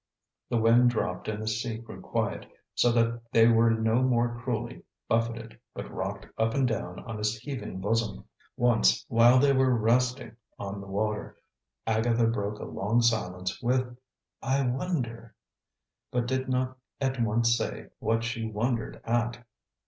The wind dropped and the sea grew quiet, so that they were no more cruelly buffeted, but rocked up and down on its heaving bosom. Once, while they were "resting" on the water, Agatha broke a long silence with, "I wonder " but did not at once say what she wondered at.